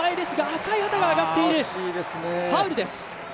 赤い旗が上がっている、ファウルです。